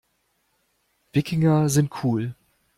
Wikinger sind cool.